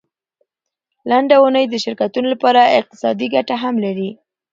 لنډه اونۍ د شرکتونو لپاره اقتصادي ګټه هم لري.